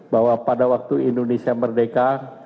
bahwa pada waktu indonesia merdeka